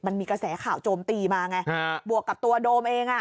มันมีกระแสข่าวโจมตีมาไงฮะบวกกับตัวโดมเองอ่ะ